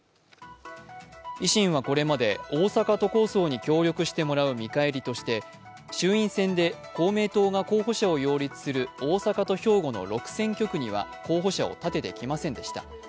維新はこれまで大阪都構想に協力してもらう見返りとして、衆院選で公明党が候補者を擁立する大阪と兵庫の６選挙区には候補者を立ててきませんでした。